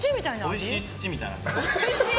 おいしい土みたいな感じ。